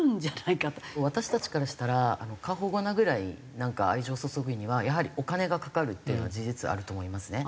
私たちからしたら過保護なぐらい愛情を注ぐにはやはりお金がかかるっていうのは事実あると思いますね。